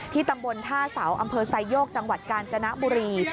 ตำบลท่าเสาอำเภอไซโยกจังหวัดกาญจนบุรี